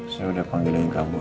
saya udah panggilin kamu